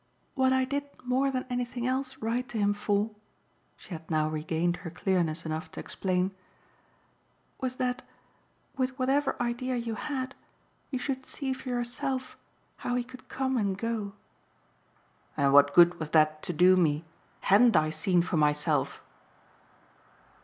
"What I did more than anything else write to him for," she had now regained her clearness enough to explain, "was that with whatever idea you had you should see for yourself how he could come and go." "And what good was that to do me? HADN'T I seen for myself?"